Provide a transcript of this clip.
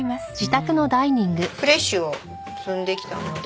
フレッシュを摘んできたので。